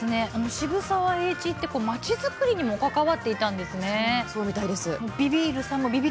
渋沢栄一は町づくりにも関わっていたんですね。